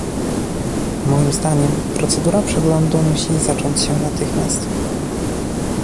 Moim zdaniem procedura przeglądu musi zacząć się natychmiast